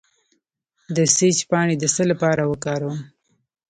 د سیج پاڼې د څه لپاره وکاروم؟